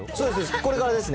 これからですね。